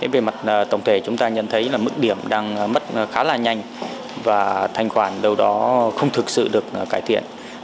về mặt tổng thể chúng ta nhận thấy là mức điểm đang mất khá là nhanh và thanh khoản đâu đó không thực sự được cải thiện